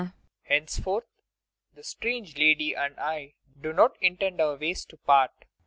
] Henceforth the strange lady and I do not intend our ways to part.